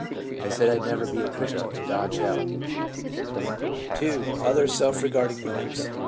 I said I'd never be a Christian to dodge hell/ 2. Other self regarding motives.